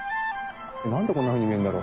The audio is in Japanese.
何でこんなふうに見えるんだろ？